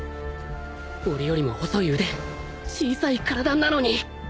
俺よりも細い腕小さい体なのに